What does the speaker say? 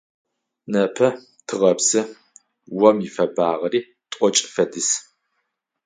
Непэ тыгъэпсы. Ом ифэбагъэри тӏокӏ фэдиз.